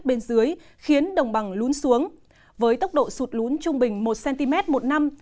bên dưới khiến đồng bằng lún xuống với tốc độ sụt lún trung bình một cm một năm